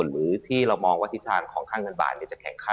หรือที่เรามองว่าทิศทางของค่าเงินบาทจะแข็งค่า